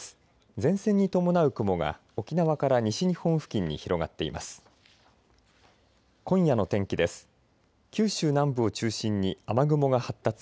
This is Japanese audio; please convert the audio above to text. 前線に伴う雲が沖縄から西日本付近に広がっています。